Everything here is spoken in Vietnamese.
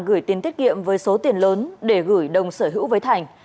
gửi tiền tiết kiệm với số tiền lớn để gửi đồng sở hữu với thành